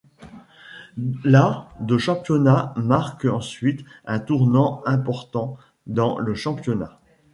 La de championnat marque ensuite un tournant important dans le championnat.